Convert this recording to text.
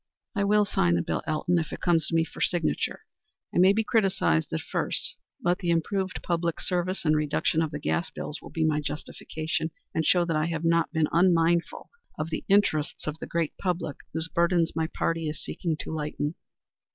"I will sign the bill, Elton, if it comes to me for signature. I may be criticised at first, but the improved public service and reduction of the gas bills will be my justification, and show that I have not been unmindful of the interests of the great public whose burdens my party is seeking to lighten."